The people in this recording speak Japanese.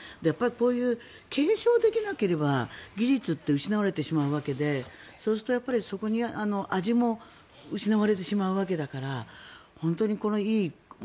継承できなければ技術って失われてしまうわけでそうするとそこに味も失われてしまうわけだから本当にいい。